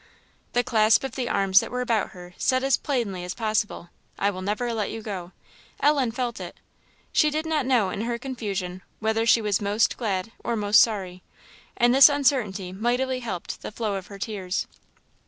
The clasp of the arms that were about her said as plainly as possible, "I will never let you go!" Ellen felt it. She did not know, in her confusion, whether she was most glad or most sorry; and this uncertainty mightily helped the flow of her tears.